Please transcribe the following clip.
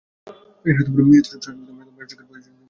এতসব সাহসিকতার মাঝেও তোমার চোখে ভয়ের ঝলক দেখতে পাচ্ছি।